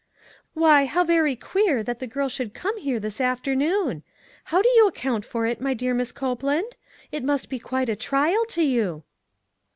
" Why, how very queer that the girl should come here this afternoon ! How do you account for it, my dear Miss Copeland? It must be quite a trial to you."